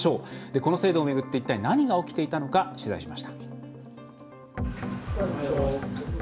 この制度をめぐって一体、何が起きていたのか取材しました。